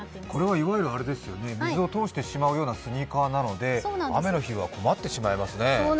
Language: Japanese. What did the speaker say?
これは水を通してしまうようなスニーカーなので、雨の日は困ってしまいますね。